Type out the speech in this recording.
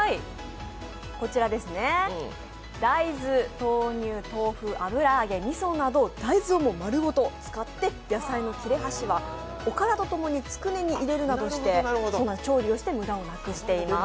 大豆、豆乳、豆腐、油揚げ、みそなど大豆を丸ごと使って野菜の切れ端はおからとともにつくねに入れるなどして調理をして無駄をなくしています。